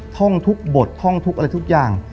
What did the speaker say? ท่องทุกบทท่องทุกอะไรทุกอย่าง